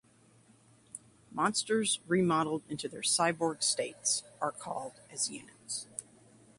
Monsters remodeled into their cyborg states are called as units.